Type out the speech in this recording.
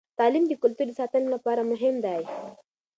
تعلیم د کلتور د ساتنې لپاره مهم دی.